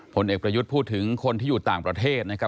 ผลเอกประยุทธ์พูดถึงคนที่อยู่ต่างประเทศนะครับ